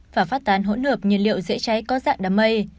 và phát tán hỗn hợp nhiên liệu dễ cháy có dạng đám mây